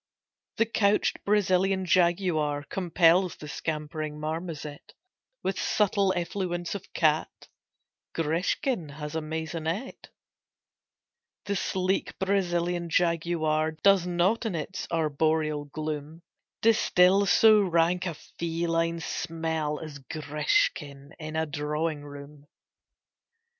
The couched Brazilian jaguar Compels the scampering marmoset With subtle effluence of cat; Grishkin has a maisonette; The sleek Brazilian jaguar Does not in its arboreal gloom Distil so rank a feline smell As Grishkin in a drawing room.